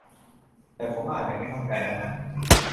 แต่ผมอ่านยังไม่เข้าใจอ่ะนะ